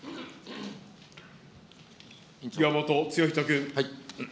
岩本剛人君。